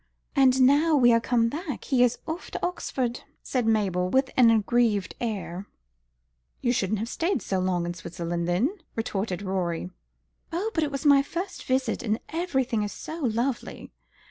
"And now we are come back, he is off to Oxford," said Mabel with an aggrieved air. "You shouldn't have stayed so long in Switzerland then," retorted Rorie. "Oh, but it was my first visit, and everything is so lovely.